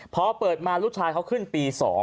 พอเปิดมาลูกชายเขาขึ้นปี๒